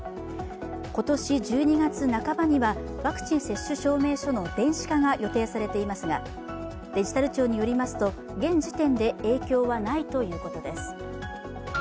今年１２月半ばにはワクチン接種証明書の電子化が予定されていますがデジタル庁によりますと現時点で影響はないということです。